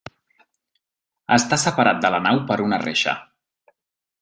Està separat de la nau per una reixa.